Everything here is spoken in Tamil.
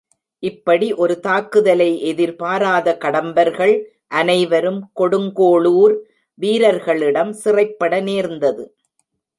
இப்படி ஒரு தாக்குதலை எதிர்பாராத கடம்பர்கள் அனைவரும் கொடுங்கோளுர் வீரர்களிடம் சிறைப்பட நேர்ந்தது.